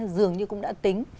dường như cũng đã tính